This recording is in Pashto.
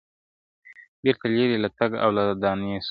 • بیرته لیري له تلک او له دانې سو -